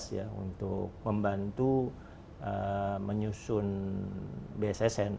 dua ribu enam belas ya untuk membantu menyusun bssn